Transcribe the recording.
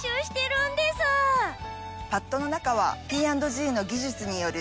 パッドの中はＰ＆Ｇの技術による。